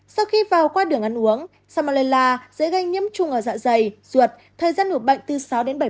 sau khi vào qua đường ăn uống samalela dễ gây nhiễm trùng ở dạ dày ruột thời gian ngủ bệnh từ sáu đến bảy mươi hai giờ